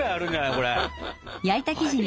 これ。